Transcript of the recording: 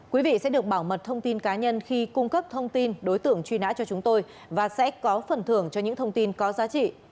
quý vị sẽ được bảo mật thông tin cá nhân khi cung cấp thông tin đối tượng truy nã cho chúng tôi và sẽ có phần thưởng cho những thông tin có giá trị